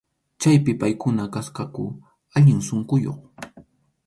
Chaypi paykuna kasqaku allin sunquyuq.